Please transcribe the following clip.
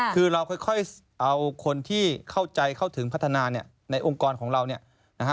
คือเราค่อยเอาคนที่เข้าใจเข้าถึงพัฒนาเนี่ยในองค์กรของเราเนี่ยนะฮะ